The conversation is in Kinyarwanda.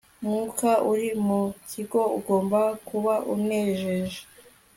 Umwuka uri mu kigo ugomba kuba unejeje